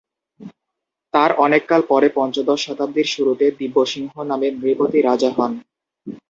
তার অনেক কাল পরে পঞ্চদশ শতাব্দীর শুরুতে দিব্য সিংহ নামে নৃপতি রাজা হন।